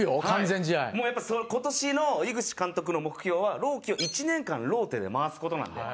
もうやっぱ今年の井口監督の目標は朗希を１年間ローテで回す事なんで。